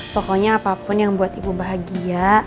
pokoknya apapun yang buat ibu bahagia